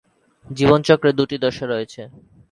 জীবন চক্রের দু’টি দশা রয়েছে।